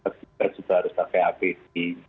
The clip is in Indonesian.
kita juga harus pakai a b c